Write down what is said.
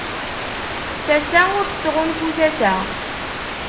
Tasa ur tettɣunfu tasa.